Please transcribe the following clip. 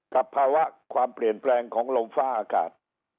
ภาวะความเปลี่ยนแปลงของลมฟ้าอากาศ